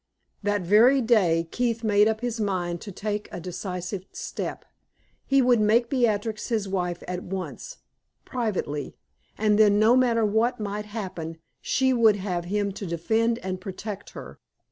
That very day Keith made up his mind to take a decisive step. He would make Beatrix his wife at once privately and then no matter what might happen, she would have him to defend and protect her.